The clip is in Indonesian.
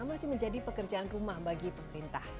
masih menjadi pekerjaan rumah bagi pemerintah